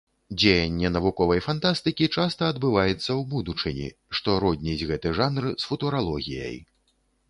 Дзеянне навуковай фантастыкі часта адбываецца ў будучыні, што родніць гэты жанр з футуралогіяй.